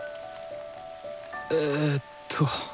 えっと。